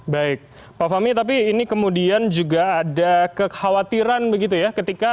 baik pak fahmi tapi ini kemudian juga ada kekhawatiran begitu ya